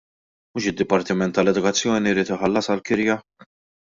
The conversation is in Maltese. Mhux id-dipartiment tal-edukazzjoni jrid iħallasha l-kirja?!